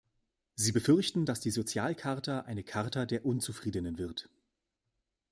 Sie befürchten, dass die Sozialcharta eine Charta der Unzufriedenen wird.